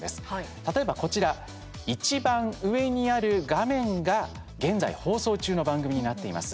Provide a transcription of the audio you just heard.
例えば、こちらいちばん上にある画面が現在放送中の番組になっています。